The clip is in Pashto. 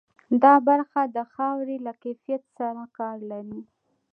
دا برخه د خاورې له کیفیت سره کار لري.